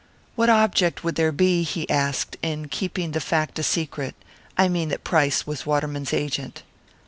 "What object would there be," he asked, "in keeping the fact a secret I mean that Price was Waterman's agent?"